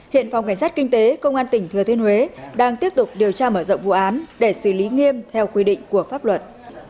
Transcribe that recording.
hiện phòng cảnh sát kinh tế công an tỉnh thừa thiên huế đang tiếp tục điều tra mở rộng vụ án để xử lý nghiêm theo quy định của pháp luật